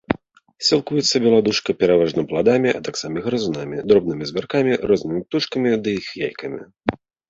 Сілкуецца беладушка пераважна пладамі, а таксама грызунамі, дробнымі звяркамі, рознымі птушкамі і іх яйкамі.